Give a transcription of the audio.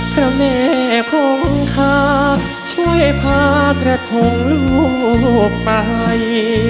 พระแม่คงคาช่วยพากระทงลูกไป